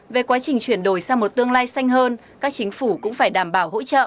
về quá trình chuyển đổi sang một tương lai xanh hơn các chính phủ cũng phải đảm bảo hỗ trợ